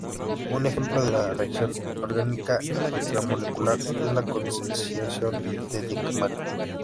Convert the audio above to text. Un ejemplo de una reacción orgánica intramolecular es la condensación de Dieckmann.